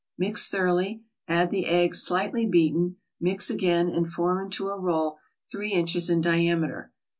Mix thoroughly, add the egg slightly beaten, mix again, and form into a roll three inches in diameter.